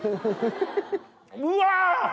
うわ！